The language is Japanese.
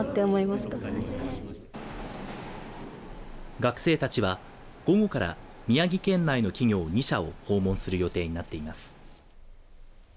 学生たちは、午後から宮城県内の企業２社を訪問する予定になっています。